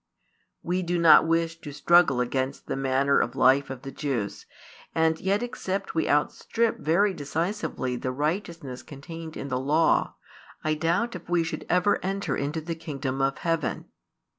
We do not wish to struggle against the manner of life of the Jews, and yet except we outstrip very decisively the righteousness contained in the Law, I doubt if we should ever enter into the kingdom of heaven.